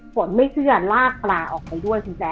ฝนไม่เชื่อลากปลาออกไปด้วยคุณแจ๊